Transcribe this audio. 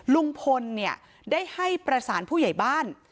ลุงพลเนี่ยได้ให้ประสานผู้ใหญ่บ้าน